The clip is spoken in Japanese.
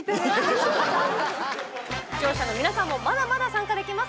視聴者の皆さんもまだまだ参加できます。